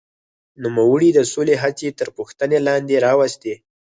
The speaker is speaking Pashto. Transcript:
نوموړي د سولې هڅې تر پوښتنې لاندې راوستې.